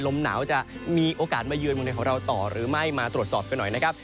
ลมหนาวจะมีโอกาสมาเยือนเมืองในของเราต่อหรือไม่มาตรวจสอบกันหน่อยนะครับ